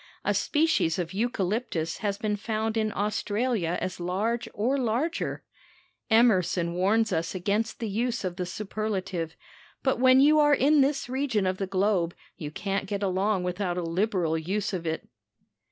A species of eucalyptus has been found in Australia as large or larger. Emerson warns us against the use of the superlative, but when you are in this region of the globe you can't get along without a liberal use of it.